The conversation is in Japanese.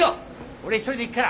俺一人で行くから。